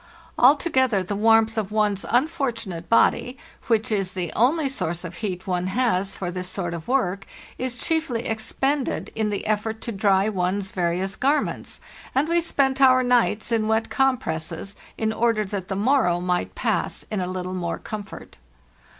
Altogether the warmth of one's unfortunate body, which is the only source of heat one has for this sort of work, is chiefly ex pended in the effort to dry one's various garments; and we spent our nights in wet compresses, in order that the morrow might pass in a little more comfort.